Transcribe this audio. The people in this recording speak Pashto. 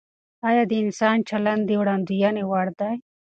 آیا د انسان چلند د وړاندوینې وړ دی؟